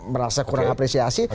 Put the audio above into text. merasa kurang apresiasi